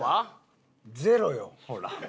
ほら。